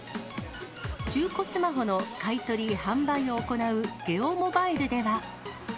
中古スマホの買い取り・販売を行う、ゲオモバイルでは。